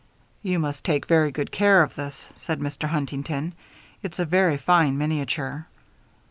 "You must take very good care of this," said Mr. Huntington. "It's a very fine miniature."